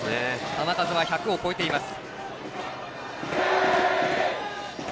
球数は１００を超えています。